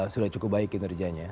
sudah cukup baik kinerjanya